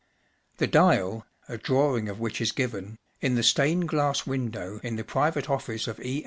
The dial (a drawing of which is given) in the stained glass window in the private office of E.